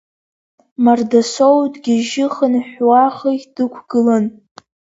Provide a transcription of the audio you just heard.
Мардасоу дгьежьы-хынҳәуа хыхь дықәгылан.